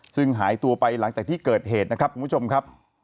ซึ่งหายตัวไปหลังจากที่เกิดเหตุนะครับคุณผู้ชมครับ